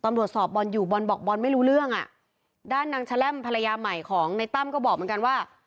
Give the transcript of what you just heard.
สอบบอลอยู่บอลบอกบอลไม่รู้เรื่องอ่ะด้านนางแชล่มภรรยาใหม่ของในตั้มก็บอกเหมือนกันว่า